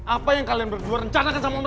apa yang kalian berdua rencanakan sama mama